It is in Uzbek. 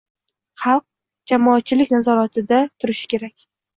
xalq – jamoatchilik nazoratida turishi kerak.